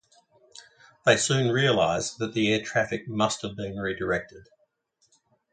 They soon realize that the air traffic must have been redirected.